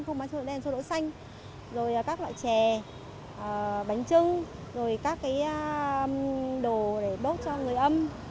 không bán xôi đậu đen xôi đậu xanh rồi các loại chè bánh trưng rồi các cái đồ để bốt cho người âm